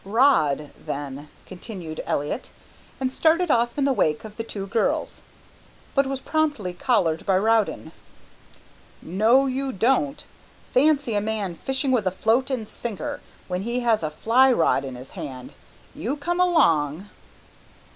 "Rod, then," continued Elliott, and started off in the wake of the two girls, but was promptly collared by Rowden. "No, you don't! Fancy a man fishing with a float and sinker when he has a fly rod in his hand! You come along!"